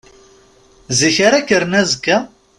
Zik ara kkren azekka?